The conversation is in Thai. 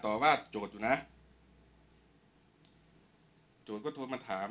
ช่างแอร์เนี้ยคือล้างหกเดือนครั้งยังไม่แอร์